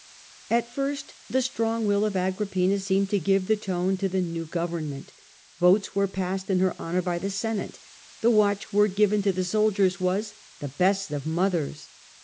At first the strong will of Agrippina seemed to give the tone to the new government. Votes were passed in her honour by the Senate; the watchword given to the His mother soldiers was, ' The best of mothers.